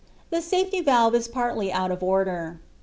The safety valve is partly out of order.